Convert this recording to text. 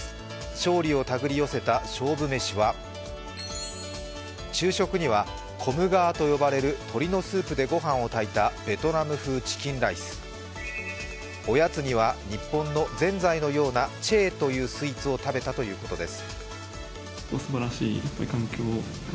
勝利を手繰り寄せた勝負飯は昼食にはコムガーと呼ばれる鶏のスープでごはんを炊いたベトナム風チキンライスおやつには日本のぜんざいのようなチェーというスイーツを食べたということです。